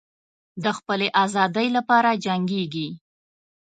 د خپلې آزادۍ لپاره جنګیږي.